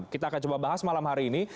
kita akan coba bahas malam hari ini